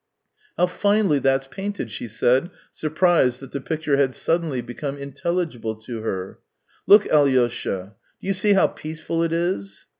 " How finely that's painted !" she said, sur prised that the picture had suddenly become intelligible to her. " Look, Alyosha ! Do you see how peaceful it is